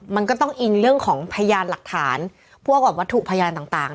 มันก็ต้องอิงเรื่องของพยานหลักฐานพวกวัตถุพยานต่าง